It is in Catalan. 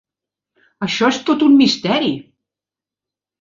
Això és tot un misteri!